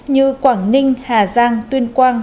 như quảng ninh hà giang tuyên quang